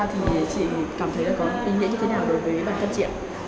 chị cảm thấy có ý nghĩa như thế nào đối với bản thân chị